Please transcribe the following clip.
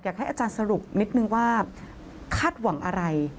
อยากให้อาจารย์สรุปนิดนึงว่าคาดหวังอะไร